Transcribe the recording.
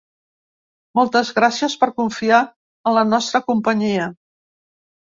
Moltes gràcies por confiar en la nostra companyia.